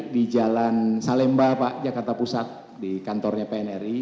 di jalan salemba pak jakarta pusat di kantornya pnri